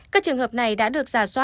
các trường hợp này đã được giả soát